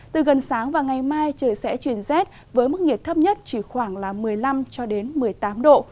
từ gần sáng và ngày mai trời sẽ chuyển rét với mức nhiệt thấp nhất chỉ khoảng một mươi năm một mươi tám độ